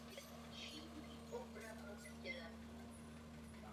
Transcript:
To ale platilo jen dokud byla dynastie silná.